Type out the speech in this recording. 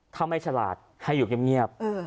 ถ้าไม่ฉลาดให้อยู่เงียบ